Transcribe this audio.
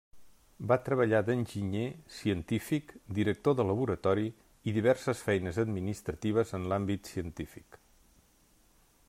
Va treballar d'enginyer, científic, director de laboratori, i diverses feines administratives en l'àmbit científic.